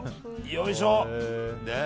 よいしょ！